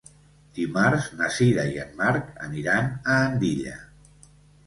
Dimarts na Sira i en Marc aniran a Andilla.